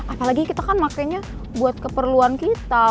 apalagi kita kan pakainya buat keperluan kita